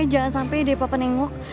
jangan sampai deh papa nengok